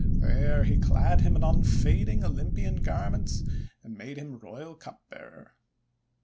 There he clad him in unfading Olympian garments, and made him royal cupbearer.